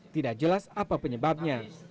tidak jelas apa penyebabnya